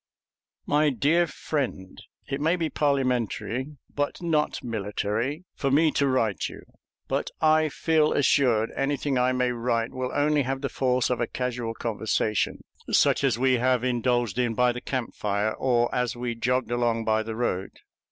MY DEAR FRIEND: It may be parliamentary, but is not military, for me to write you; but I feel assured anything I may write will only have the force of a casual conversation, such as we have indulged in by the camp fire or as we jogged along by the road.